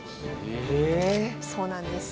ええ⁉そうなんです。